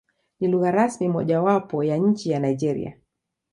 Ni lugha rasmi mojawapo ya nchi ya Nigeria.